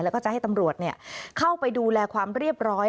แล้วก็จะให้ตำรวจเข้าไปดูแลความเรียบร้อย